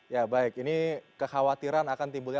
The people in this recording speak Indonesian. ya baik ini kekhawatiran akan timbulnya